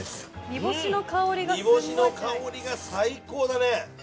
煮干しの香りが最高だね。